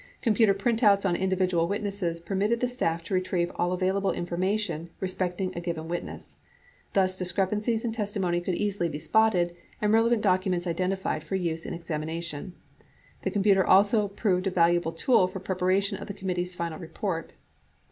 Computer printouts on individual witnesses per mitted the staff to retrieve all available information respecting a given witness. Thus discrepancies in testimony could easily be spotted and relevant documents identified for use in examination. The computer also proved a valuable tool for preparation of the committee's final report.